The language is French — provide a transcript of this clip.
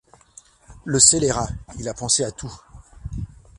Le scélérat, il a pensé à tout!